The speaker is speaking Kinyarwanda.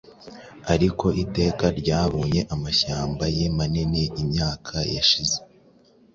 Ariko Iteka ryabonye amashyamba ye manini Imyaka yashize,